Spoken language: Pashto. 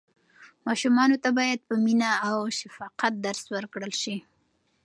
ماشومانو ته باید په مینه او شفقت درس ورکړل سي.